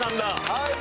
はい。